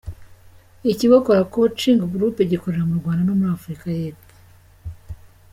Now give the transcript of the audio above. Ikigo Kora Coaching Group gikorera mu Rwanda no muri Afurika y’Epfo.